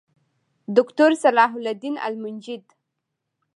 دوکتور صلاح الدین المنجد